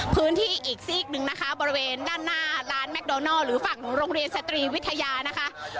พื้นที่อีกซีกหนึ่งนะคะบริเวณด้านหน้าร้านแมคโดนัลหรือฝั่งของโรงเรียนสตรีวิทยานะคะ